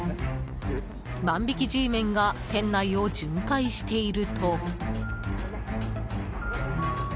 万引きＧメンが店内を巡回していると。